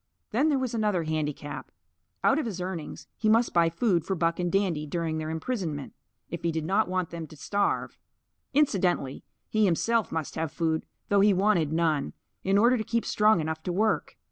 Then there was another handicap: Out of his earnings he must buy food for Buck and Dandy during their imprisonment, if he did not want them to starve. Incidentally, he himself must have food though he wanted none in order to keep strong enough to work.